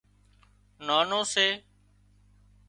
نانو سي